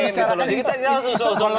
kita nggak mau ketemu